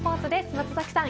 松崎さん